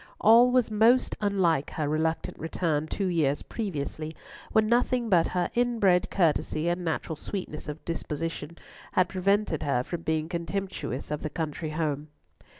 All was most unlike her reluctant return two years previously, when nothing but her inbred courtesy and natural sweetness of disposition had prevented her from being contemptuous of the country home.